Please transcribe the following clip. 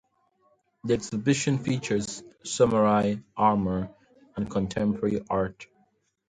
The exhibition features samurai armor and contemporary art.